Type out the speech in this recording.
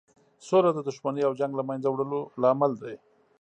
سوله د دښمنۍ او جنګ له مینځه وړلو لامل دی.